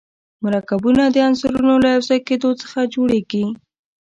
مرکبونه د عنصرونو له یو ځای کېدو څخه جوړیږي.